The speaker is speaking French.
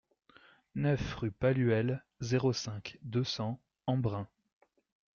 neuf rue Palluel, zéro cinq, deux cents Embrun